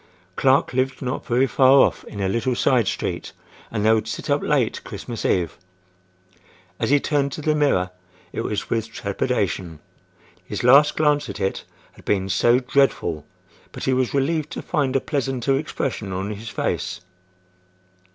Clark lived not very far off, in a little side street, and they would sit up late Christmas Eve. As he turned to the mirror it was with trepidation, his last glance at it had been so dreadful; but he was relieved to find a pleasanter expression on his face.